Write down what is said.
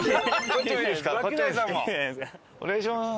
お願いします。